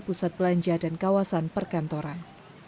pusat belanja dan kawasan perkantoran